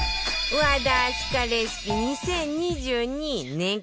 和田明日香レシピ２０２２年間